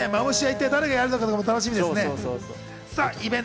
マムシは一体誰やるのか楽しみですね。